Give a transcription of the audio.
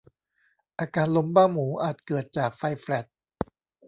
อาการลมบ้าหมูอาจเกิดจากไฟแฟลช